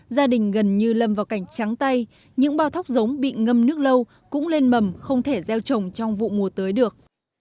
gia đình gần như lâm vào cảnh trắng tay những bao thóc giống bị ngâm nước lâu cũng lên mầm không thể gieo trồng trong vụ mùa tới được